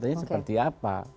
data ini seperti apa